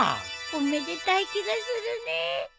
おめでたい気がするねえ。